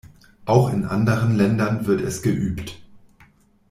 Auch in anderen Ländern wird es geübt.